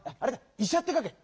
「いしゃ」ってかけ。